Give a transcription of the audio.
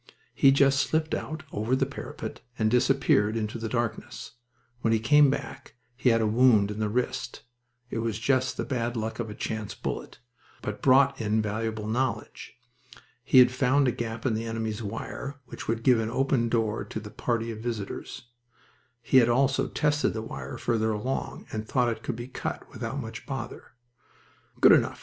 He just slipped out over the parapet and disappeared into the darkness. When he came back he had a wound in the wrist it was just the bad luck of a chance bullet but brought in valuable knowledge. He had found a gap in the enemy's wire which would give an open door to the party of visitors. He had also tested the wire farther along, and thought it could be cut without much bother. "Good enough!"